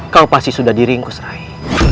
kau pasti sudah diringkus rai